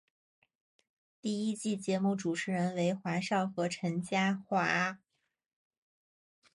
第一季节目主持人为华少和陈嘉桦。